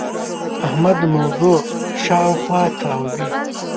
احمد موضوع شااوخوا تاووې.